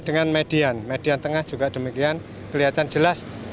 dengan median median tengah juga demikian kelihatan jelas